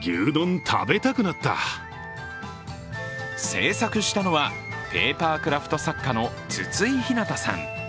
制作したのはペーパークラフト作家のつついひなたさん。